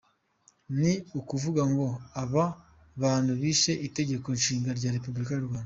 Ni ukuvuga ngo aba bantu bishe Itegeko Nshinga rya Repuburika y’u Rwanda.